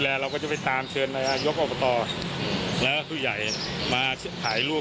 แล้วก็เราก็จะแจ้งให้สิ่งสุดของชนให้น้องรับรู้